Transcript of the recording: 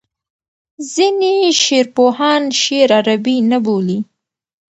ځینې شعرپوهان شعر عربي نه بولي.